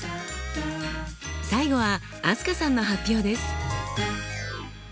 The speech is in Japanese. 最後は飛鳥さんの発表です。